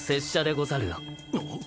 あっ。